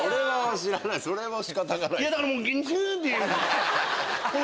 それは仕方がない。